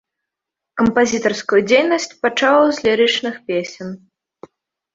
Кампазітарскую дзейнасць пачаў з лірычных песен.